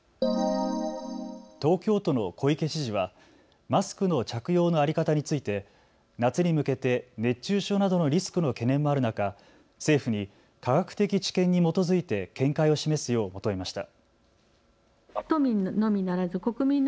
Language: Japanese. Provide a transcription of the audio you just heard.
東京都の小池知事はマスクの着用の在り方について、夏に向けて熱中症などのリスクの懸念もある中、政府に科学的知見に基づいて見解を示すよう求めました。